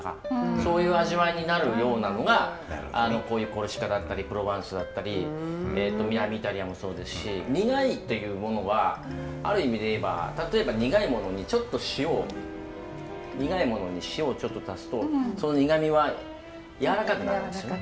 そういう味わいになるようなのがこういうコルシカだったりプロヴァンスだったり南イタリアもそうですし苦いというものはある意味で言えば例えば苦いものにちょっと塩を苦いものに塩をちょっと足すとその苦味は柔らかくなるんですよね。